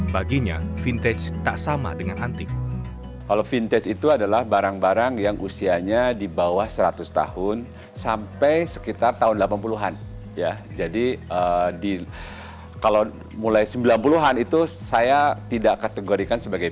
baginya vintage bisa berjalan dengan baik